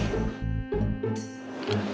papa istirahat dulu ya